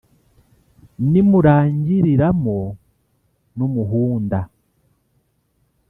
rimurangiriramo n'umuhunda.